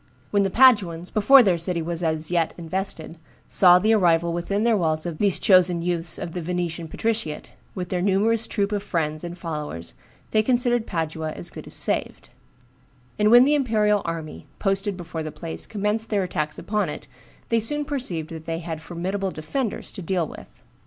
When the Paduans, before their city was as yet invested, saw the arrival within their walls of these chosen youths of the Venetian patriciate, with their numerous troop of friends and followers, they considered Padua as good as saved; and when the imperial army, posted before the place, commenced their attacks upon it, they soon perceived that they had formidable defenders to deal with.